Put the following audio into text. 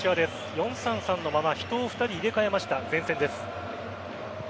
４−３−３のまま人を２人、入れ替えました。